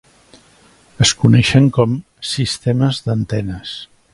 Es coneixen com "sistemes d'antenes".